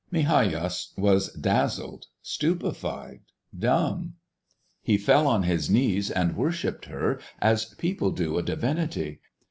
Migajas was dazzled, stupefied, dumb. He fell on his knees and worshipped her as people do a divinity.